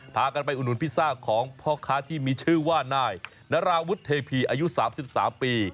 พากันไปอุดหนุนพิซซ่าของพ่อค้าที่มีชื่อว่านายนาราวุฒิเทพีอายุ๓๓ปี